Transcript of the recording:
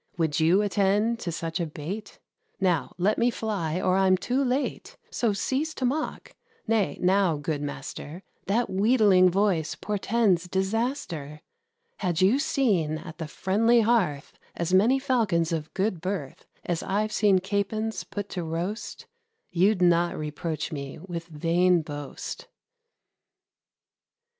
Would you attend to such a bait? Now, let me fly, or I'm too late; So, cease to mock. Nay, now, good master, That wheedling voice portends disaster! Had you seen at the friendly hearth As many Falcons of good birth As I've seen Capons put to roast, You'd not reproach me with vain boast."